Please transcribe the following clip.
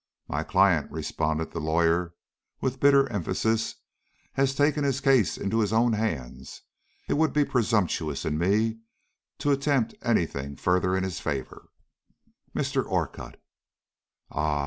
"My client," responded the lawyer, with bitter emphasis, "has taken his case into his own hands. It would be presumptuous in me to attempt any thing further in his favor." "Mr. Orcutt!" "Ah!"